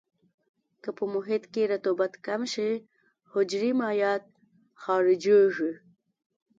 که په محیط کې رطوبت کم شي حجرې مایعات خارجيږي.